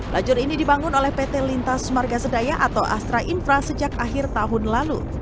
lajur ini dibangun oleh pt lintas semarga sedaya atau astra infra sejak akhir tahun lalu